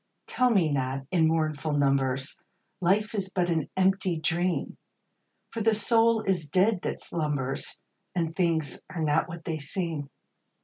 Tell me not, in mournful numbers, Life is but an empty dream ! For the soul is dead that slumbers. And things are not what they seem.